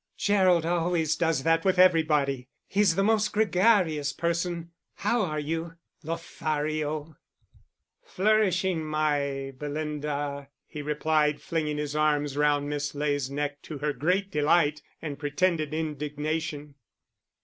"Gerald always does that with everybody. He's the most gregarious person. How are you, Lothario?" "Flourishing, my Belinda," he replied, flinging his arms round Miss Ley's neck to her great delight and pretended indignation.